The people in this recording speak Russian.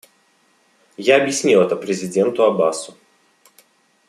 Я объяснил это президенту Аббасу.